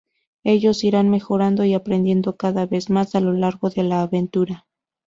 Ellos irán mejorando y aprendiendo cada vez más a lo largo de la aventura.